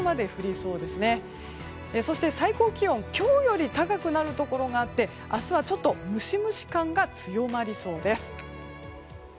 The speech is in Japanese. そして最高気温今日より高くなるところがあって明日はちょっとムシムシ感が強まりそうです。